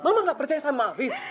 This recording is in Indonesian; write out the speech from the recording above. mama tidak percaya sama afidz